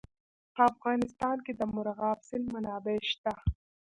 په افغانستان کې د مورغاب سیند منابع شته.